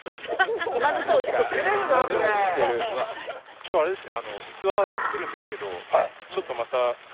今日はあれですね